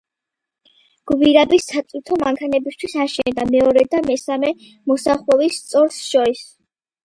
გვირაბი სატვირთო მანქანებისთვის აშენდა მეორე და მესამე მოსახვევის სწორს შორის.